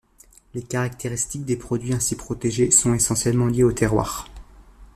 Les caractéristiques des produits ainsi protégés sont essentiellement liées au terroir.